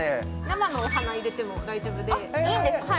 生のお花入れても大丈夫でいいんですね？